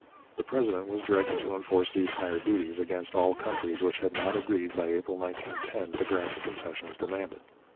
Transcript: The president was directed to enforce these higher duties against all countries which had not agreed by April 1910 to grant the concessions demanded.